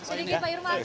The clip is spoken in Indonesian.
jadi ini pak irman